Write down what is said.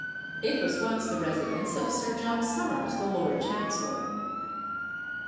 It was once the residence of Sir John Somers, the Lord Chancellor.